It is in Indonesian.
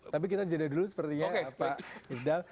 tapi kita jadi dulu sepertinya pak hirdal